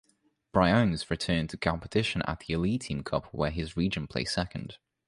Briones returned to competition at the Elite Team Cup where his region placed second.